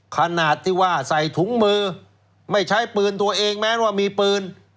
ขนาดที่ว่าใส่ถุงมือไม่ใช้ปืนตัวเองแม้ว่ามีปืน